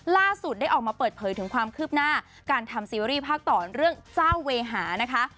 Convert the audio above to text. ล่าสุดได้ออกมาเปิดเผยถึงความคืบหน้าการทำซีรีส์ภาคต่อเรื่องเจ้าเวหานะคะ